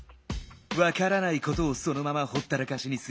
わからないことをそのままほったらかしにする。